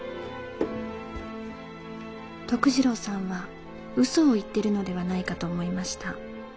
徳次郎さんは嘘を言ってるのではないかと思いました。